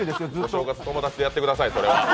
正月友達とやってください、それは。